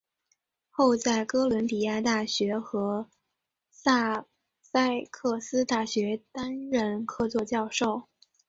后在哥伦比亚大学和萨塞克斯大学担任客座教授。